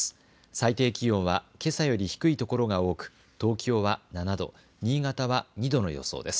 最低気温はけさより低いところが多く東京は７度、新潟は２度の予想です。